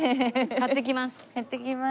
買ってきます。